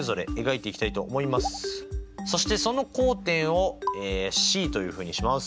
そしてその交点をＣというふうにします。